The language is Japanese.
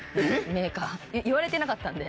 言われてなかったんで。